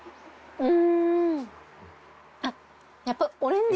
うん。